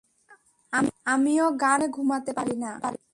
আমিও গান না শুনে ঘুমাতে পারি না?